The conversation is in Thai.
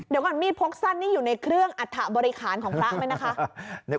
เดี๋ยวก่อนมีดพกสั้นนี่อยู่ในเครื่องอัฐบริหารของพระไหมนะคะ